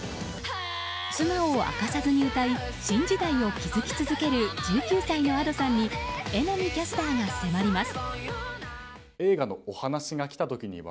素顔を明かさずに歌い新時代を築き続ける１９歳のＡｄｏさんに榎並キャスターが迫ります。